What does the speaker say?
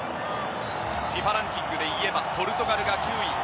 ランキングでいえばポルトガルが９位。